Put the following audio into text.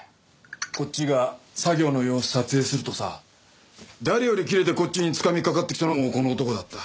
こっちが作業の様子撮影するとさ誰よりキレてこっちにつかみかかってきたのもこの男だった。